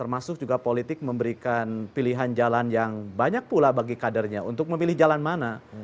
termasuk juga politik memberikan pilihan jalan yang banyak pula bagi kadernya untuk memilih jalan mana